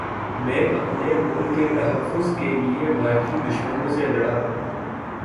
میں اپنے ملک کے تحفظ کے لیے بھارتی دشمنوں سے لڑا